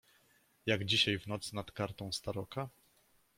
"jak dzisiaj w nocy nad kartą z taroka."